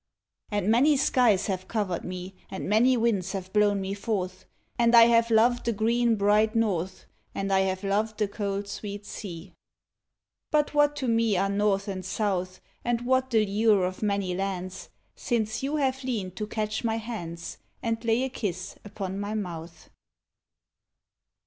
And many skies have covered me, And many winds have blown me forth, And I have loved the green, bright north, And I have loved the cold, sweet sea. But what to me are north and south, And what the lure of many lands, Since you have leaned to catch my hands And lay a kiss upon my mouth.